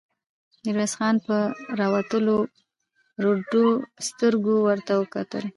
ميرويس خان په راوتلو رډو سترګو ورته کتل.